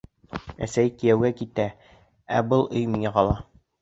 Әсәй кейәүгә китә, ә был өй миңә ҡала.